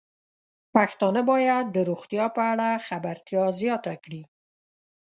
پښتانه بايد د روغتیا په اړه خبرتیا زياته کړي.